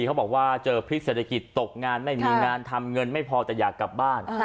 เขาบอกว่าเจอพิษเศรษฐกิจตกงานไม่มีงานทำเงินไม่พอแต่อยากกลับบ้าน